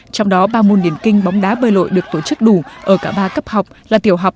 trong đó ba môn điển kinh bóng đá bơi lội được tổ chức đủ ở cả ba cấp học là tiểu học